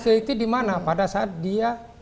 ceriti di mana pada saat dia